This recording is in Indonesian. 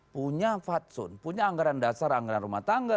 punya fatsun punya anggaran dasar anggaran rumah tangga